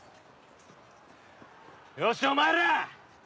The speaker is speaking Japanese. よしお前ら！